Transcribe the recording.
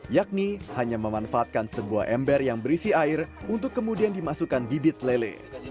yakni hanya memanfaatkan sebuah ember yang berisi air untuk kemudian dimasukkan bibit lele